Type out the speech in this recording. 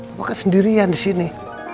apa kan sendirian di sini